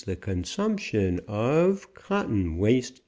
THE CONSUMPTION.OF COTTON.WASTE.